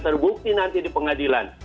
terbukti nanti di pengadilan